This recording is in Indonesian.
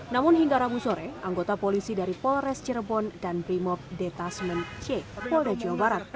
namun hingga rabu sore anggota polisi dari polres cirebon dan brimob detasmen c polda jawa barat